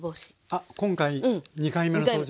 あっ今回２回目の登場です。